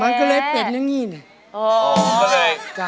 มันก็เลยเป็นอย่างนี้นะ